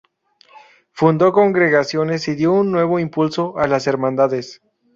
Fundó congregaciones y dio un nuevo impulso a las hermandades.